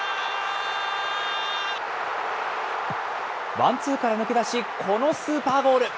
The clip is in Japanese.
ワンツーから抜け出し、このスーパーボール。